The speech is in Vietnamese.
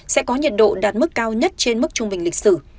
sẽ có nhiệt độ đạt mức cao nhất trên mức trung bình lịch sử